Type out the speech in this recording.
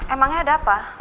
emangnya ada apa